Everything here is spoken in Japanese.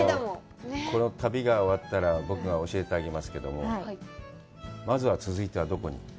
この旅が終わったら、僕が教えてあげますけども、まずは、続いてはどこに？